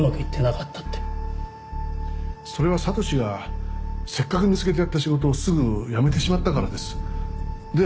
それは悟史がせっかく見つけてやった仕事をすぐ辞めてしまったからです。